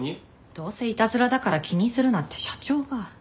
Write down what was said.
どうせいたずらだから気にするなって社長が。